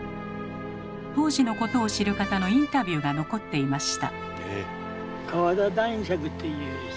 当時のことを知る方のインタビューが残っていました。